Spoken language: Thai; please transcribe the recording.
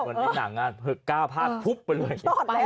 เหมือนในหนังก้าวพาดพุบไปเลย